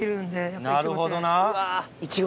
なるほどな。